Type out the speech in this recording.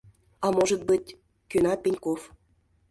— А может быть, — кӧна Пеньков.